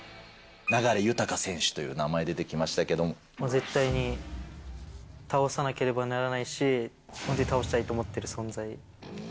流大選手という名前出てきま絶対に倒さなければならないし、倒したいと思ってる存在。